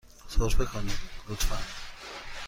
سرفه کنید، لطفاً.